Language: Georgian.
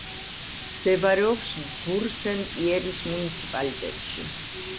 მდებარეობს ბურ-სენ-პიერის მუნიციპალიტეტში.